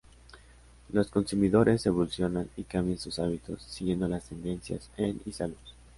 Los consumidores evolucionan y cambian sus hábitos siguiendo las tendencias en y salud.